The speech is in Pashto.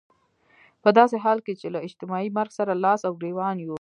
په داسې حال کې چې له اجتماعي مرګ سره لاس او ګرېوان يو.